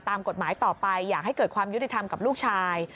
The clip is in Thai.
ตามกฎหมายต่อไปอยากให้เกิดความยุติธรรมกับลูกชาย